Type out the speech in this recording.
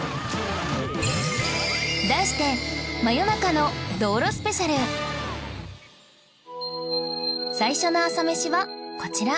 題して最初の朝メシはこちら